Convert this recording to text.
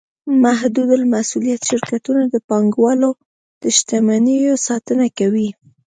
محدودالمسوولیت شرکتونه د پانګهوالو د شتمنیو ساتنه کوي.